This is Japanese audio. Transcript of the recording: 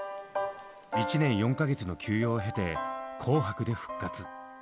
１年４か月の休養を経て「紅白」で復活。